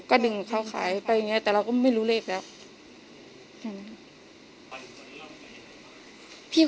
ก็ดึงเขาขายไปอย่างเงี้แต่เราก็ไม่รู้เลขแล้ว